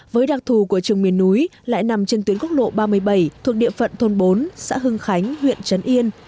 với đặc thù của trường miền núi lại nằm trên tuyến quốc lộ ba mươi bảy thuộc địa phận thôn bốn xã hưng khánh huyện trấn yên